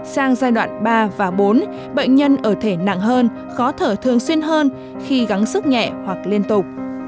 sang giai đoạn ba và bốn bệnh nhân ở thể nặng hơn khó thở thường xuyên hơn khi gắng sức nhẹ hoặc liên tục